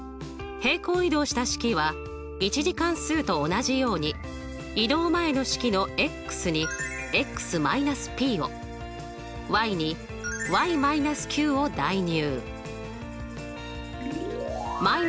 平行移動した式は１次関数と同じように移動前の式のに−ｐをに−ｑを代入。